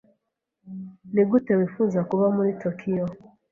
Nigute wifuza kuba muri Tokiyo?